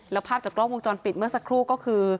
แล้วภาพจากกล้องวงจรปิดเมื่อสักครู่ก็คือ